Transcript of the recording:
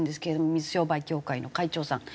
水商売協会の会長さん。